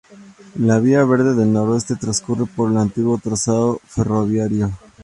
La Vía Verde del Noroeste transcurre por un antiguo trazado ferroviario.